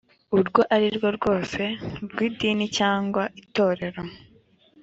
urwo ari rwo rwose rw’ idini cyangwa itorero